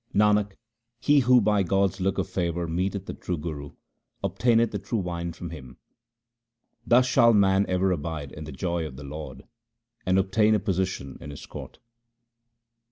Nanak, he who by God's look of favour meeteth the true Guru, obtaineth the true wine from him. Thus shall man ever abide in the joy of the Lord, and obtain a position in His court.